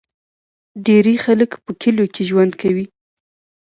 ډیری خلک په کلیو کې ژوند کوي.